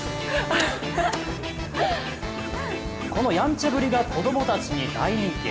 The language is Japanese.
このやんちゃぶりが子供たちに大人気。